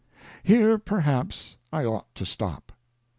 ' Here, perhaps, I ought to stop.